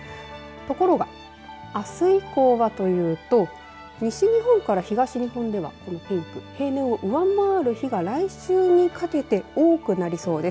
ところが、あす以降は、というと西日本から東日本ではピンク、平年を上回る日が来週にかけて多くなりそうです。